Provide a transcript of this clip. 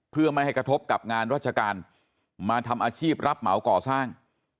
เพื่อไม่ให้กระทบกับงานราชการมาทำอาชีพรับเหมาก่อสร้าง